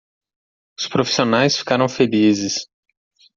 Os profissionais ficaram felizes.